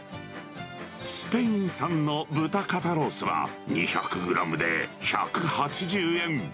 スペイン産の豚肩ロースは２００グラムで１８０円。